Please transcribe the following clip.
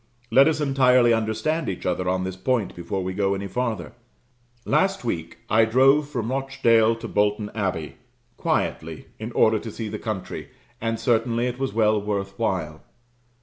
Let us entirely understand each other on this point before we go any farther. Last week, I drove from Rochdale to Bolton Abbey; quietly, in order to see the country, and certainly it was well worth while.